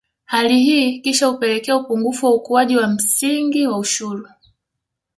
Hali hii kisha hupelekea upungufu wa ukuaji wa msingi wa ushuru